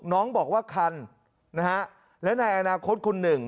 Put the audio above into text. น้องบอกว่าคันนะฮะและในอนาคตคุณหนึ่ง